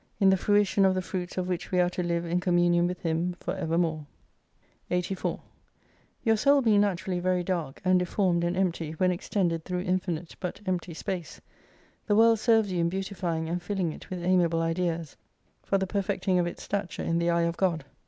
In the fruition of the fruits of which we are to live in communion with Him for evermore. 84* Your soul being naturally very dark, and deformed and empty when extended through infinite but empty space, the world serves you in beautifying and filling it with amiable ideas ; for the perfecting of its stature in the eye of God.